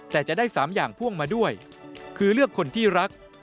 แต่จะได้๓อย่างพ่วงมาด้วยคือเลือกคนที่รัก